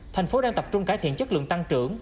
thành phố đang tập trung cải thiện chất lượng tăng trưởng